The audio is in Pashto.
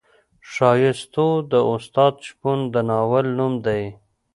ښایستو د استاد شپون د ناول نوم دی.